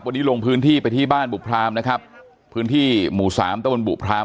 วันนี้ลงพื้นที่ไปที่บ้านบุพรามนะครับพื้นที่หมู่สามตะบนบุพราม